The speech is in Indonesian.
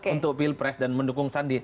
untuk pilpres dan mendukung sandi